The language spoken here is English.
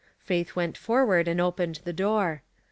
Faith went forward and opened the door.